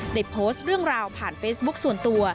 ได้โพสต์เรื่องราวผ่านเฟซบุ๊คส่วนตัว